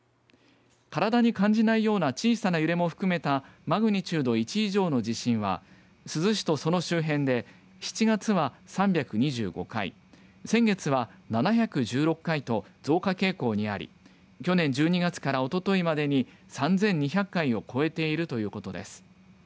体に感じないような小さな揺れも含めたマグニチュード１以上の地震は珠洲市とその周辺で７月は３２５回先月は７１６回と増加傾向にあり去年１２月から、おとといまでに３２００回を超えているということです。